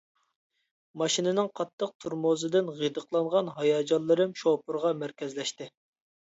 ماشىنىنىڭ قاتتىق تورمۇزىدىن غىدىقلانغان ھاياجانلىرىم شوپۇرغا مەركەزلەشتى.